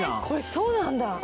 これそうなんだ。